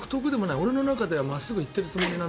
俺の中では真っすぐ言っているつもり。